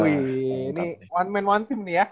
wih ini one man one team nih ya